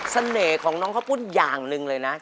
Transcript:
เสน่ห์ของน้องเข้าพุ่นอย่างหนึ่งเลยนะ